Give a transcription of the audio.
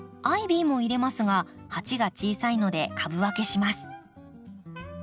アイビーも入れますが鉢が小さいので株分けします。